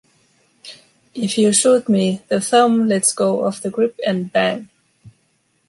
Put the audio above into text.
If you shoot me, the thumb lets go of the grip and bang.